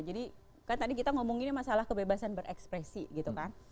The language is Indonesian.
jadi kan tadi kita ngomongin masalah kebebasan berekspresi gitu kan